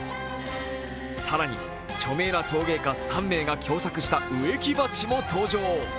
更に、著名な陶芸家３名が共作した植木鉢も登場。